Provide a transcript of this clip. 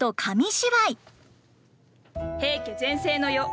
平家全盛の世。